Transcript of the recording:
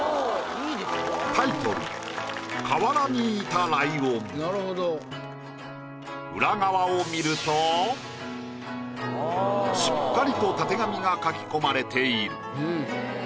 タイトル裏側を見るとしっかりとたてがみが描き込まれている。